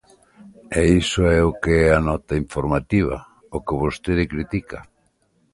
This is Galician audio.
E iso é o que é a nota informativa, o que vostede critica.